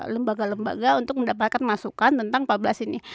lembaga lembaga untuk mendapatkan masukan tentang empat belas ini